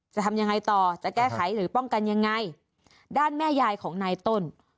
จะทำยังไงต่อจะแก้ไขหรือป้องกันยังไงด้านแม่ยายของนายต้น